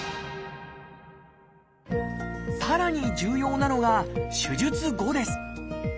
さらに重要なのが手術後です。